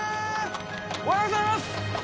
おはようございます。